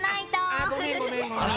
あごめんごめんごめん。